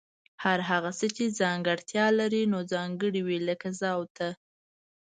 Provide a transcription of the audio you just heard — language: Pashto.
هر هغه څه چي ځانګړتیا لري نو ځانګړي وي لکه زه او ته